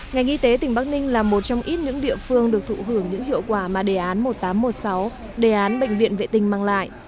ngành y tế tỉnh bắc ninh là một trong ít những địa phương được thụ hưởng những hiệu quả mà đề án một nghìn tám trăm một mươi sáu đề án bệnh viện vệ tinh mang lại